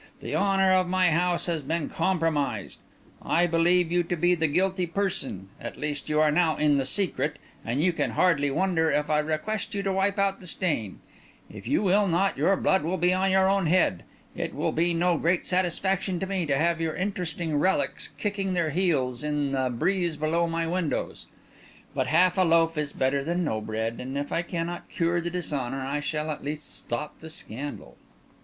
The honour of my house has been compromised; I believe you to be the guilty person; at least you are now in the secret; and you can hardly wonder if I request you to wipe out the stain. If you will not, your blood be on your own head! It will be no great satisfaction to me to have your interesting relics kicking their heels in the breeze below my windows; but half a loaf is better than no bread, and if I cannot cure the dishonour, I shall at least stop the scandal."